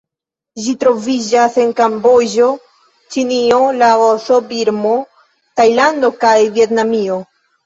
Ĝi troviĝas en Kamboĝo, Ĉinio, Laoso, Birmo, Tajlando kaj Vjetnamio.